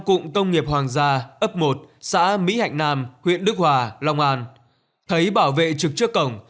cụm công nghiệp hoàng gia ấp một xã mỹ hạnh nam huyện đức hòa long an thấy bảo vệ trực trước cổng